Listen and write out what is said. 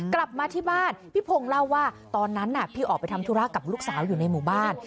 กลับมาที่บ้านพี่พงศ์เล่าว่าตอนนั้นพี่ออกไปทำธุระกับลูกสาวอยู่ในหมู่บ้าน